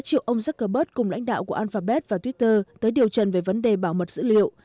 triệu ông zuckerberg cùng lãnh đạo của alphabet và twitter tới điều trần về vấn đề bảo mật dữ liệu